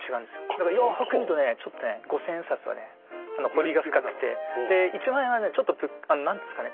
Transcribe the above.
だからよく見るとねちょっとね五千円札はね彫りが深くてで一万円はねちょっと何ていうんですかね